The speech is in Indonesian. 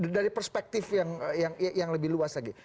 dari perspektif yang lebih luas lagi